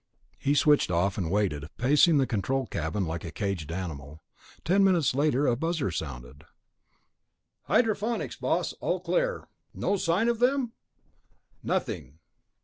He switched off, and waited, pacing the control cabin like a caged animal. Ten minutes later a buzzer sounded. "Hydroponics, boss. All clear." "No sign of them?" "Nothing."